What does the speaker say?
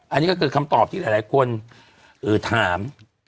อันนี้ก็คือคำตอบที่หลายคนถาม